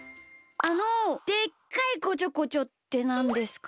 あの「でっかいこちょこちょ」ってなんですか？